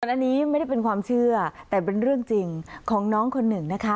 อันนี้ไม่ได้เป็นความเชื่อแต่เป็นเรื่องจริงของน้องคนหนึ่งนะคะ